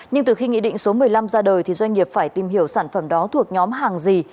nhưng từ khi nghị định số một mươi năm ra đời thì doanh nghiệp phải tìm hiểu sản phẩm đó thuộc nhóm hàng gì